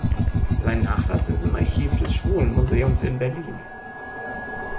Sein Nachlass ist im Archiv des Schwulen Museums in Berlin.